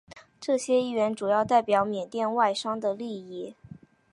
这些议员主要代表缅甸外商的利益。